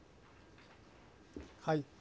はい。